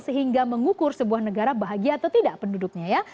sehingga mengukur sebuah negara bahagia atau tidak penduduknya ya